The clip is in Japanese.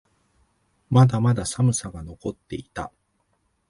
まだまだ寒さが残っていた。